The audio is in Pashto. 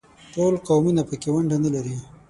ټول قومونه په کې ونډه نه لري.